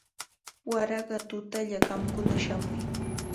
Waraqa tutalla qamkuna shamuy.